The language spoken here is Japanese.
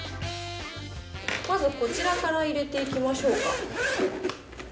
まずこちらから入れていきましょうか。